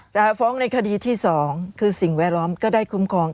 ฟ้องในคดีที่๒คือสิ่งแวดล้อมก็ได้คุ้มครอง